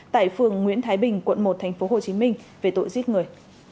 tại phường nguyễn thái bình quận một tp hcm về tội giết người